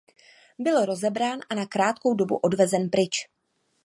Byl rozebrán a na krátkou dobu odvezen pryč.